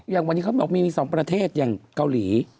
อย่างวันนี้เขาบอกมี๒ประเทศอย่างเกาหลี